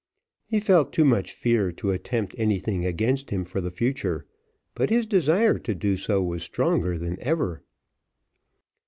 He felt too much fear to attempt anything against him for the future, but his desire to do so was stronger than ever.